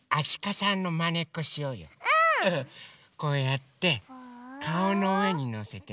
こうやってかおのうえにのせてね。